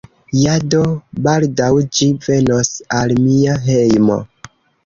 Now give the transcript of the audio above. Ja, do, baldaŭ ĝi venos al mia hejmo